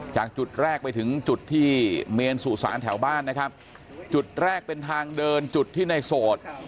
จากจุดแรกไปถึงจุดที่เมนสู่สารแถวบ้านนะครับจุดแรกเป็นทางเดินจุดที่ในโสด